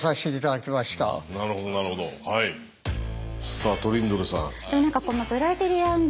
さあトリンドルさん。